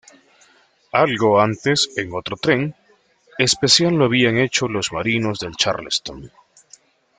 Algo antes en otro tren especial lo habían hecho los marinos del "Charleston".